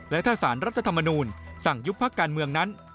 และถ้าสารรัฐธรรมนูลสั่งยุบพักการเมืองนั้น